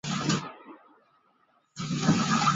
耶利瓦勒市是瑞典北部北博滕省的一个自治市。